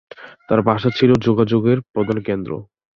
তার বাসা ছিল যোগাযোগের প্রধান কেন্দ্র।